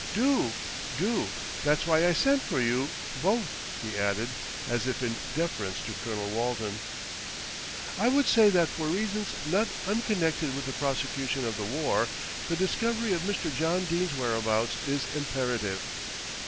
"Do do, that's why I sent for you both," he added, as if in deference to Colonel Walton. "I would say that for reasons not unconnected with the prosecution of the war, the discovery of Mr. John Dene's whereabouts is imperative."